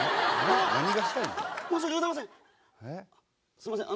すいません